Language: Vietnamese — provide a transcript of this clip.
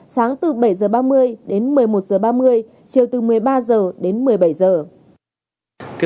sáng từ bảy h ba mươi đến một mươi một h ba mươi chiều từ một mươi ba h đến một mươi bảy h